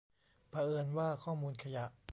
เผอิญว่าข้อมูลขยะ